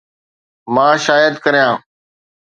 مان شايد ڪريان